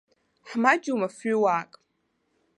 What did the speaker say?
Ҳмаҷҩума фҩыуаак?